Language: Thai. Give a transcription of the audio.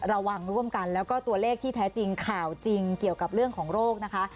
ระวังร่วมกันแล้วก็ตัวเลขที่แท้จริงข่าวจริงเกี่ยวกับเรื่องของโรคนะคะ